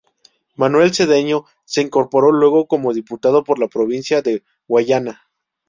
Manuel Cedeño se incorporó luego como diputado por la provincia de Guayana.